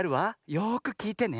よくきいてね。